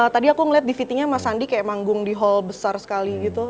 tadi aku ngeliat dvd nya mas sandi kayak manggung di hall besar sekali gitu